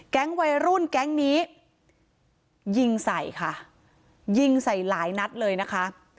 วัยรุ่นแก๊งนี้ยิงใส่ค่ะยิงใส่หลายนัดเลยนะคะ